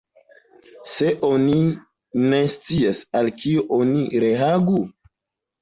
Se oni ne scias al kio oni reagu?